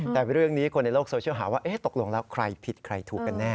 แต่เรื่องนี้คนในโลกโซเชียลหาว่าตกลงแล้วใครผิดใครถูกกันแน่